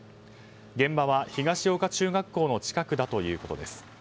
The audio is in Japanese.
現場は東与賀中学校の近くだということです。